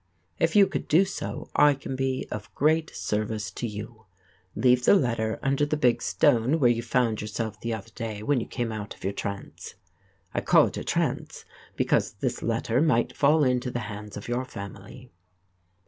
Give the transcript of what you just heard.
If you could do so I can be of great service to you. Leave the letter under the big stone where you found yourself the other day when you came out of your trance. I call it a trance because this letter might fall into the hands of your family.